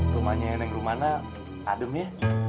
rumahnya yang enak enak adem ya